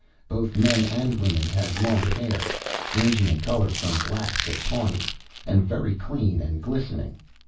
Both men and women had long hair, ranging in color from black to tawny, and very clean and glistening.